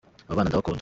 Aba bana ndabakunda